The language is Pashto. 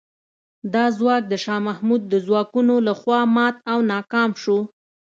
دا ځواک د شاه محمود د ځواکونو له خوا مات او ناکام شو.